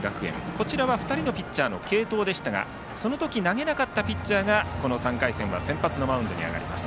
こちらは２人のピッチャーの継投でしたがその時投げなかったピッチャーがこの３回戦は先発マウンドに上がります。